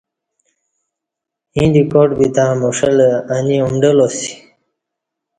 ییں دی کاٹ بِتں مُݜہ لہ اَنی اُمڈہ لا سے